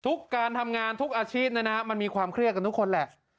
การทำงานทุกอาชีพมันมีความเครียดกันทุกคนแหละ